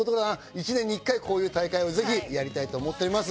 １年に１回こういう大会をぜひやりたいと思っております。